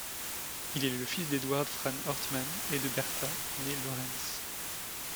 Il est le fils d’Edward Fran Ortmann et de Bertha née Lorenz.